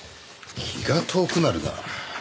気が遠くなるな。